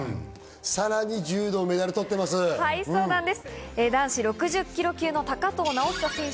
さらに柔道メダル取ってます。